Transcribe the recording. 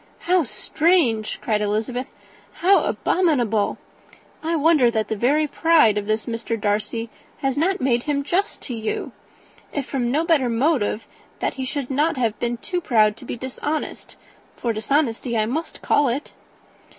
"How strange!" cried Elizabeth. "How abominable! I wonder that the very pride of this Mr. Darcy has not made him just to you. If from no better motive, that he should not have been too proud to be dishonest, for dishonesty I must call it."